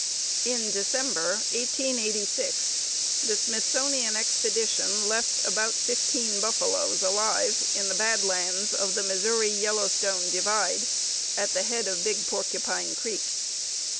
In December, 1886, the Smithsonian expedition left about fifteen buffaloes alive in the bad lands of the Missouri Yellowstone divide, at the head of Big Porcupine Creek.